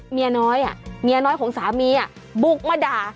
เมียน้อยเมียน้อยของสามีบุกมาด่า